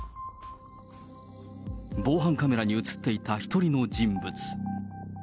防犯カメラに写っていた１人の人物。